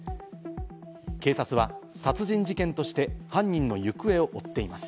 警察は殺人事件として犯人の行方を追っています。